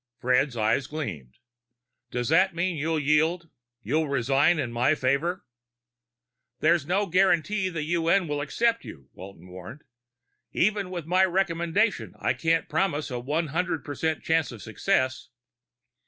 Fred's eyes gleamed. "Does that mean you'll yield? You'll resign in my favor?" "There's no guarantee the UN will accept you," Walton warned. "Even with my recommendation, I can't promise a one hundred percent chance of success."